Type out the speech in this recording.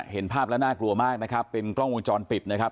เห็นภาพแล้วน่ากลัวมากนะครับเป็นกล้องวงจรปิดนะครับ